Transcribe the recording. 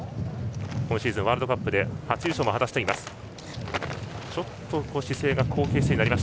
今シーズン、ワールドカップで初優勝も果たしています。